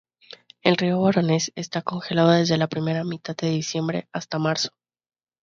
El río Voronezh está congelado desde la primera mitad de diciembre hasta marzo.